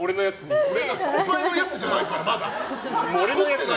お前のやつじゃないからな。